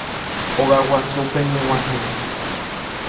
Ogaguasúpe ñeg̃uahẽ